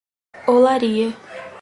Olaria